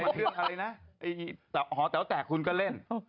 ฐาวะแท็กย์คุณก็เล่น